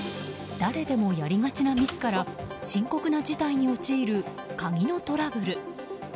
誰でもやりがちなミスから深刻な事態に陥る鍵のトラブル。